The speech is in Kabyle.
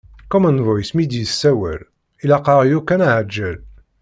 Common Voice mi d-yessawel, ilaq-aɣ yakk ad neɛǧel.